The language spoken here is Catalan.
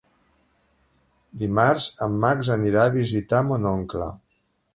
Dimarts en Max anirà a visitar mon oncle.